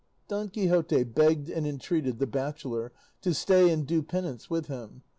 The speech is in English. Don Quixote begged and entreated the bachelor to stay and do penance with him.